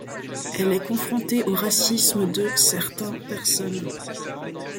Elle est confronté au racisme de certain personne.